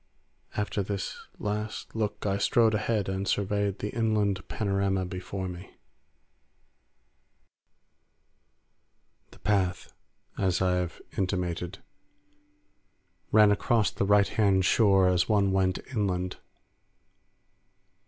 . After this last look I strode ahead and surveyed the inland panorama before me. The path, as I have intimated, ran along the right hand shore as one went inland.